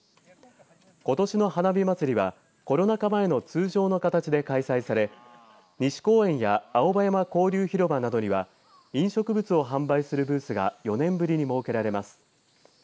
ことしの花火祭はコロナ禍前の通常の形で開催され西公園や青葉山交流広場などには飲食物を販売するブースが４年ぶりに設けられます。